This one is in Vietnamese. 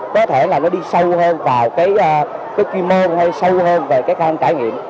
có thể là nó đi sâu hơn vào cái quy mô hay sâu hơn về cái kháng trải nghiệm